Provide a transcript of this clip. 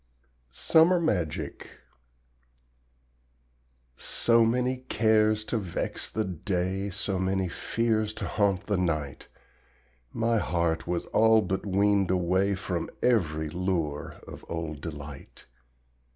SUMMER MAGIC So many cares to vex the day, So many fears to haunt the night, My heart was all but weaned away From every lure of old delight.